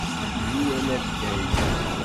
Deg yal adeg?